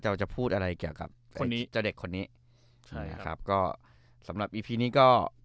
เราจะพูดอะไรเกี่ยวกับคนนี้จะเด็กคนนี้ใช่ครับก็สำหรับอีพีนี้ก็